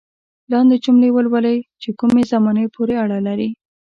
لاندې جملې ولولئ چې کومې زمانې پورې اړه لري.